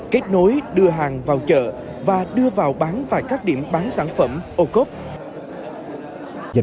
kết nối đưa hàng vào chợ và đưa vào bán tại các điểm bán sản phẩm ô cốp